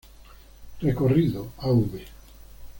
Recorrido: Av.